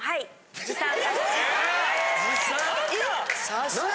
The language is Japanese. ・さすが。